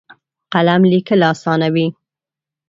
قلم لیکل اسانوي.